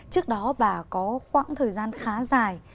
trước đó bà có khoảng thời gian khá dài